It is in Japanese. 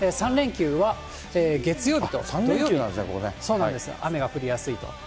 ３連休は、月曜日と土曜日、雨が降りやすいと。